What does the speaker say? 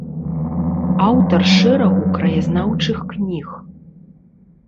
Аўтар шэрагу краязнаўчых кніг.